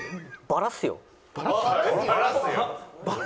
「バラすぞ」？